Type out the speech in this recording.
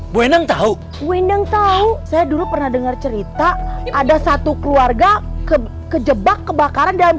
kueneng tahu pendeng tahu saya dulu pernah dengar cerita ada satu keluarga kejebak kebakaran dalam